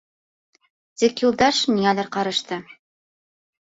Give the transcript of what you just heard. Тик Юлдаш ниңәлер ҡарышты.